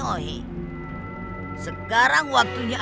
akan segera tiba